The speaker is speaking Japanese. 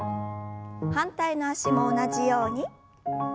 反対の脚も同じように。